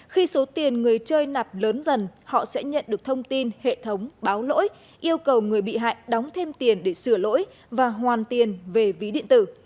khi số tiền người chơi nạp lớn dần họ sẽ nhận được thông tin hệ thống báo lỗi yêu cầu người bị hại đóng thêm tiền để sửa lỗi và hoàn tiền về ví điện tử